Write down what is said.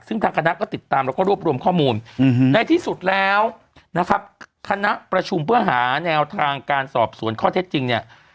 ซึ่งทางคณะก็ติดตามแล้วก็รวบรวมข้อมูลในที่สุดแล้วนะครับคณะประชุมเพื่อหาแนวทางการสอบสวนข้อเท็จจริงเนี่ย